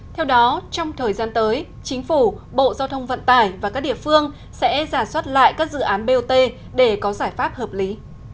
theo đó trong thời gian tới chính phủ bộ giao thông vận tải và các địa phương sẽ giả soát lại các dự án bot để có giải pháp hợp lý